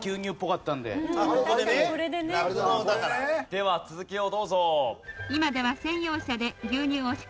では続きをどうぞ。